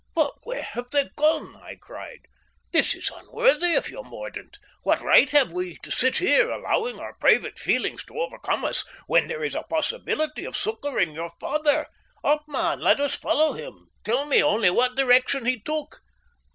"But where have they gone?" I cried. "This is unworthy of you, Mordaunt. What right have we to sit here, allowing our private feelings to overcome us, while there is a possibility of succouring your father? Up, man! Let us follow him. Tell me only what direction he took."